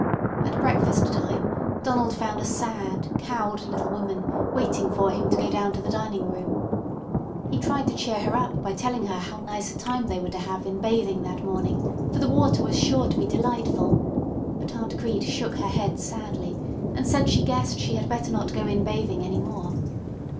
At breakfast time Donald found a sad, cowed little woman waiting for him to go down to the dining room. He tried to cheer her up by telling her how nice a time they were to have in bathing that morning, for the water was sure to be delightful; but Aunt Crete shook her head sadly, and said she guessed she had better not go in bathing any more.